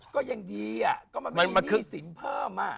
ก็ยังดีก็มันไม่มีหนี้สินเพิ่ม